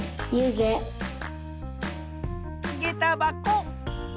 げたばこ。